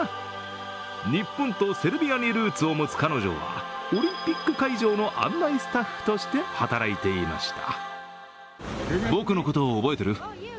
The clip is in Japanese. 日本とセルビアにルーツを持つ彼女はオリンピック会場の案内スタッフとして働いていました。